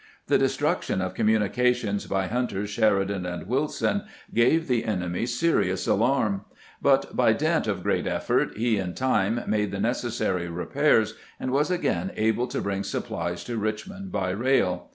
The destruction of communications by Hunter, Sheri GENERAL JAMES H. WILSON'S RAID 231 dan, and Wilson gave the enemy serious alarm ; but by dint of great effort lie in time made tbe necessary re pairs, and was again able to bring supplies to Richmond by rail.